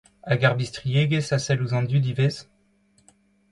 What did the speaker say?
Hag ar bistriegezh a sell ouzh an dud ivez ?